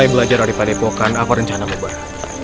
jangan berpengaruh daripada epokan apa rencana mu ber